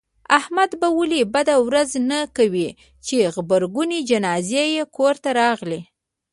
احمد به ولې بده ورځ نه کوي، چې غبرگې جنازې یې کورته راغلې.